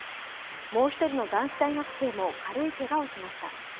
もう１人の男子大学生も軽いけがをしました。